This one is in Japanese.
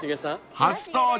［初登場。